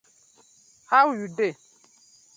How yu dey?